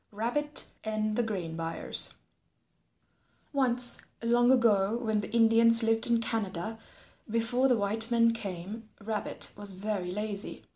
RABBIT AND THE GRAIN BUYERS Once long ago when the Indians lived in Canada before the white men came, Rabbit was very lazy.